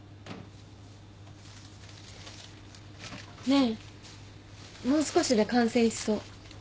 ねえもう少しで完成しそう小説。